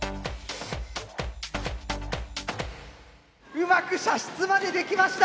うまく射出までできました。